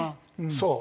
そう。